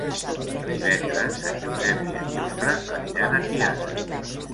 Divendres en Josep i en Jofre aniran a Tiana.